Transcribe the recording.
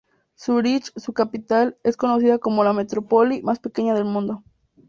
Zúrich, su capital, es conocida como la metrópoli más pequeña del mundo.